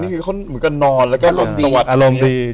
อันนี้คือเหมือนกับนอนอารมณ์ดี